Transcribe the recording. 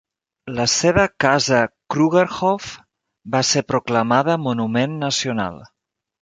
La seva casa "Krugerhof" va ser proclamada monument nacional.